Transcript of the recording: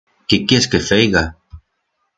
Qué quiers que feiga?